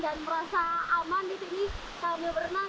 dan merasa aman di sini sambil berenang